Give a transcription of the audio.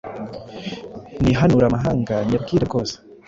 Nihanure amahanga nyabwire bwose,